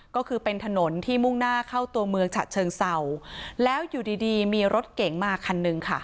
ก็คือเป็นถนนที่มุ่งหน้าเข้าตัวเมืองฉะเชิงเศร้าแล้วอยู่ดีดีมีรถเก๋งมาคันหนึ่งค่ะ